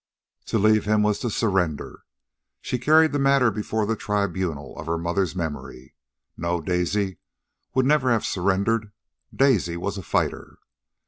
To leave him was to surrender. She carried the matter before the tribunal of her mother's memory. No; Daisy would never have surrendered. Daisy was a fighter.